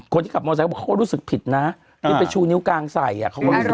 คนที่ขับมอเซบอกเขาก็รู้สึกผิดนะที่ไปชูนิ้วกลางใส่อ่ะเขาก็รู้สึก